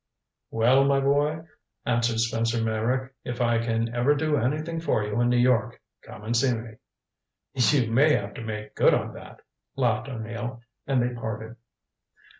"Well, my boy," answered Spencer Meyrick, "if I can ever do anything for you in New York, come and see me." "You may have to make good on that," laughed O'Neill, and they parted.